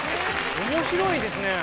面白いですね。